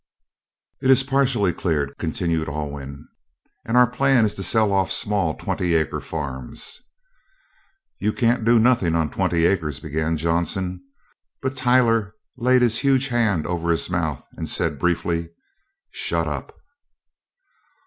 "It is partially cleared," continued Alwyn, "and our plan is to sell off small twenty acre farms " "You can't do nothing on twenty acres " began Johnson, but Tylor laid his huge hand right over his mouth and said briefly: "Shut up!"